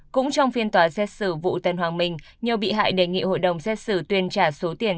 cũng trong phiên tòa xét xử vụ tân hoàng minh nhiều bị hại đề nghị hội đồng xét xử tuyên trả số tiền